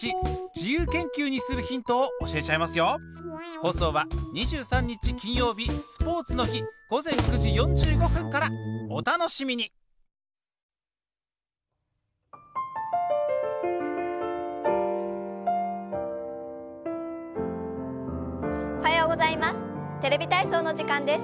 おはようございます。